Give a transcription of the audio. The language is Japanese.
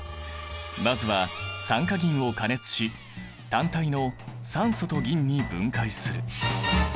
まずは酸化銀を加熱し単体の酸素と銀に分解する。